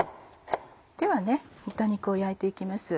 では豚肉を焼いていきます。